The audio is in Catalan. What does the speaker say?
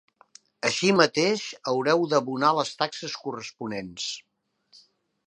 Així mateix, haureu d'abonar les taxes corresponents.